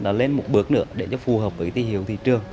nó lên một bước nữa để cho phù hợp với thị trường